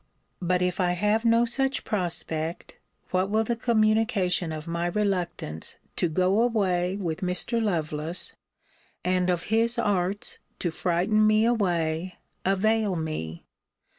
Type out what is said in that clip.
But, if I have no such prospect, what will the communication of my reluctance to go away with Mr. Lovelace, and of his arts to frighten me away, avail me?